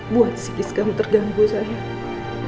buat si gizgam terganggu sayang